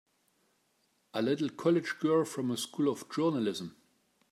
A little college girl from a School of Journalism!